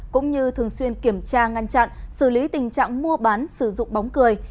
cũng như thường xuyên kiểm tra ngăn chặn xử lý tình trạng mua bán sử dụng bóng cười